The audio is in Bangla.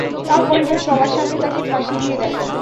তার পরিবার সবার সামনে তাকে ফাঁসি দিয়ে দেয়।